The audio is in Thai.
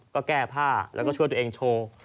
ก็แก้ผ้าแล้วก็ช่วยตัวเองโชว์